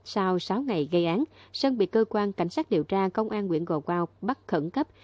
sau sáu ngày gây án sơn bị cơ quan cảnh sát điều tra công an nguyện gò quao bắt khẩn cấp